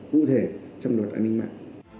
cụ thể trong luật an ninh mạng